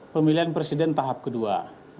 pemilihan presiden tahap kedua